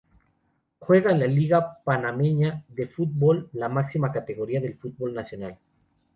Juega en la Liga Panameña de Fútbol, la máxima categoría del fútbol nacional.